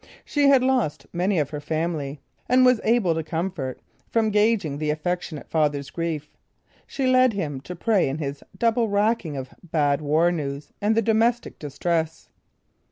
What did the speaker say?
She had lost many of her family, and was able to comfort from gaging the affectionate father's grief. She led him to pray in his double racking of bad war news and the domestic distress.